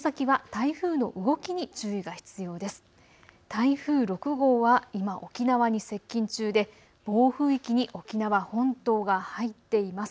台風６号は今、沖縄に接近中で暴風域に沖縄本島が入っています。